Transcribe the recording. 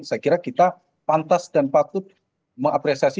saya kira kita pantas dan patut mengapresiasi